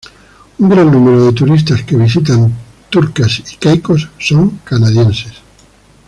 Un gran número de turistas que visitan Turcas y Caicos son canadienses.